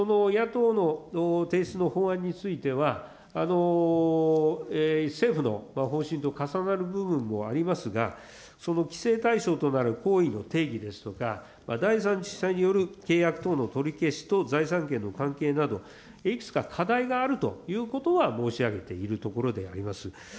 そしてその野党の提出の法案については、政府の方針と重なる部分もありますが、その規制対象となる行為の定義ですとか、による契約等の取り消しと財産権の関係など、いくつか課題があるということは申し上げているところであります。